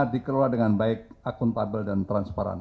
dikelola dengan baik akuntabel dan transparan